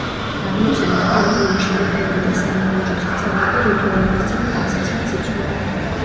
გადმოცემით, პავილიონში მეფეები და სამეფო ოჯახის წევრები რიტუალების წინ ტანსაცმელს იცვლიდნენ.